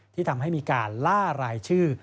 ที่ทำให้มีการล่ารายชื่อ